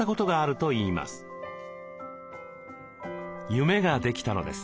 夢ができたのです。